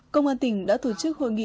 công an tỉnh đã tổ chức hội nghị